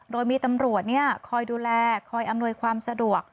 โดยมีตำรวจคอยดูแลคอยอำนวยความสะดวก